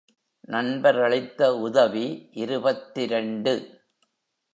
நண்பர் அளித்த உதவி இருபத்திரண்டு.